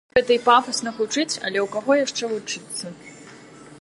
Можа, гэта і пафасна гучыць, але ў каго яшчэ вучыцца?